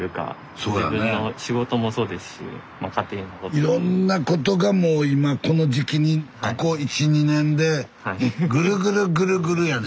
いろんなことがもう今この時期にここ１２年でぐるぐるぐるぐるやね。